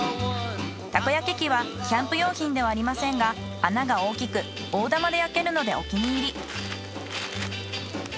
タコ焼き器はキャンプ用品ではありませんが穴が大きく大玉で焼けるのでお気に入り。